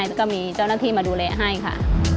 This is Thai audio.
แล้วก็มีเจ้าหน้าที่มาดูแลให้ค่ะ